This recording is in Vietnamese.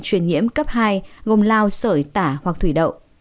truyền nhiễm cấp hai gồm lao sởi tả hoặc thủy đậu